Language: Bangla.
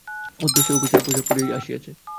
অদ্য সে অফিসের পোষাক পরিয়াই আসিয়াছে।